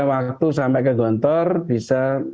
waktu sampai ke gontor bisa